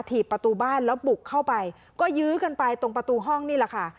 ถีบประตูบ้านแล้วบุกเข้าไปก็ยื้อกันไปตรงประตูห้องนี่แหละค่ะ